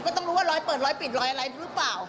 ต้องรู้ว่ารอยเปิดรอยปิดรอยอะไรหรือเปล่า